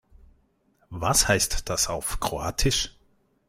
Was heißt das auf Kroatisch?